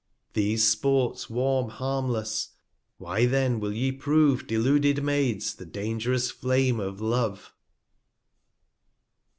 These Sports warm harmless; why then will ye prove. Deluded Maids, the dang'rous Flame of Love